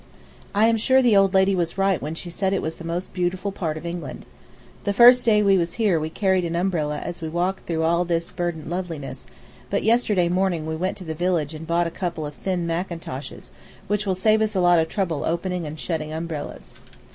I am sure the old lady was right when she said it was the most beautiful part of England. The first day we was here we carried an umbrella as we walked through all this verdant loveliness, but yesterday morning we went to the village and bought a couple of thin mackintoshes, which will save us a lot of trouble opening and shutting umbrellas.